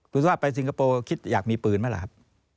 คุณสุชาติไปสิงคโปร์คิดอยากมีปืนไหมล่ะครับ